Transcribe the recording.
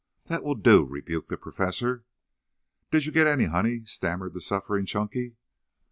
"That will do," rebuked the Professor. "Did you get any honey?" stammered the suffering Chunky.